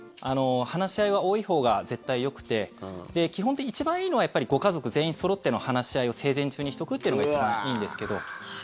話し合いは多いほうが絶対よくて基本的に一番いいのはやっぱりご家族全員そろっての話し合いを生前中にしておくっていうのが一番いいんですけど。